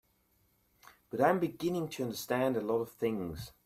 But I'm beginning to understand a lot of things.